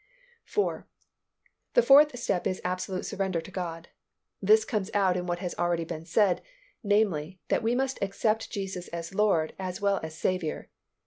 4. The fourth step is absolute surrender to God. This comes out in what has been already said, namely, that we must accept Jesus as Lord as well as Saviour.